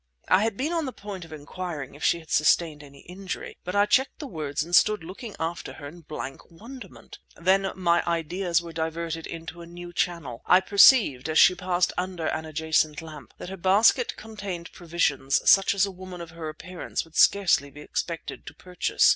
I had been on the point of inquiring if she had sustained any injury, but I checked the words and stood looking after her in blank wonderment. Then my ideas were diverted into a new channel. I perceived, as she passed under an adjacent lamp, that her basket contained provisions such as a woman of her appearance would scarcely be expected to purchase.